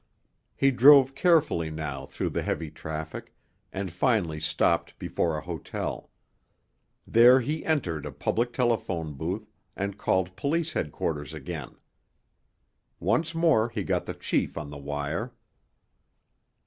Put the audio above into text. He drove carefully now through the heavy traffic, and finally stopped before a hotel. There he entered a public telephone booth, and called police headquarters again. Once more he got the chief on the wire.